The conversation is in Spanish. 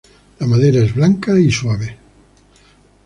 La madera es blanca y suave.